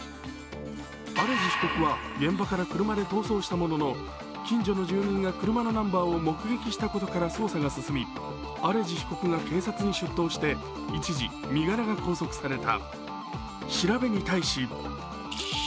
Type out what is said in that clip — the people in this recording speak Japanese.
アレジ被告は現場から車で逃走したものの近所の住民が車のナンバーを目撃したことから捜査が進みアレジ被告が警察に出頭して一時身柄が拘束された。